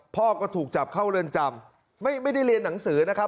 พ่อก็ถูกจับเข้าเรือนจำไม่ได้เรียนหนังสือนะครับ